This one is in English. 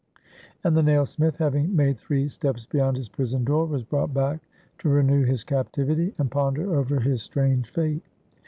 And the nailsmith, having made three steps beyond AUSTRIA HUNGARY his prison door, was brought back to renew his captivity, and ponder over his strange fate.